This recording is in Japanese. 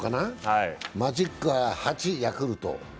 マジックが８、ヤクルト。